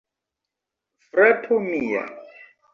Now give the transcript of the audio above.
Frato mia..